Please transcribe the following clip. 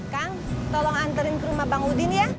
kang tolong antarin ke rumah bang udin ya